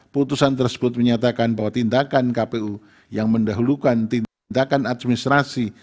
putusan tersebut menyatakan bahwa tindakan kpu yang mendahulukan tindakan administrasi